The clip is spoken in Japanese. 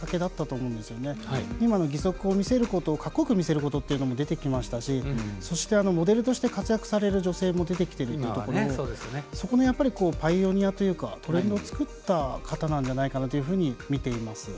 今の義足をかっこよく見せることも出てきましたしそして、モデルとして活躍される女性も出てきているというところでそこのパイオニアというかトレンドを作った方なんじゃないかなと見ています。